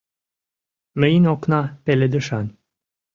Мыйын окна пеледышан